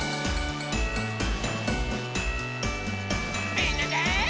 みんなで。